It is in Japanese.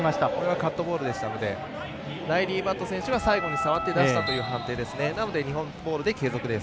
カットボールでしたのでライリー・バット選手が最後に触って出したという判定で日本ボールで継続です。